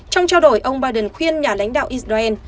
trong trao đổi ông biden khuyên nhà lãnh đạo israel